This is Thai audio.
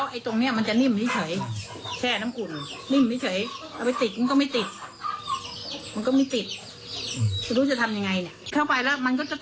ยังไม่ได้ให้หมอฟันดูเลยอายหมอ